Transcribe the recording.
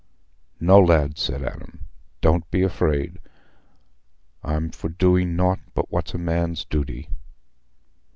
"Nay, lad," said Adam, "don't be afraid. I'm for doing nought but what's a man's duty."